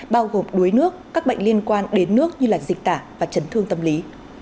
bao gồm đuối nước các bệnh liên quan đến nước như dịch tả và chấn thương tâm lý